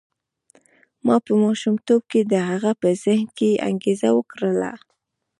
ما په ماشومتوب کې د هغه په ذهن کې انګېزه وکرله.